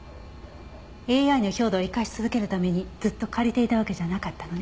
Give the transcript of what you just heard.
ＡＩの兵働を生かし続けるためにずっと借りていたわけじゃなかったのね。